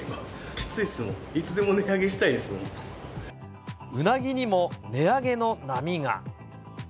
きついですもう、いつでも値うなぎにも値上げの波が。